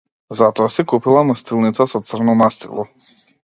Затоа си купила мастилница со црно мастило.